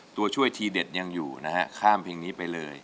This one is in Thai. ตัวช่วยทีเด็ดยังอยู่นะฮะข้ามเพลงนี้ไปเลย